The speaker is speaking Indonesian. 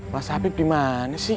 mas abib dimana sih